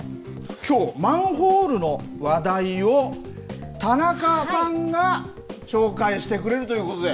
きょうマンホールの話題を田中さんが紹介してくれるということで。